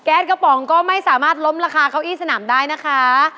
กระป๋องก็ไม่สามารถล้มราคาเก้าอี้สนามได้นะคะ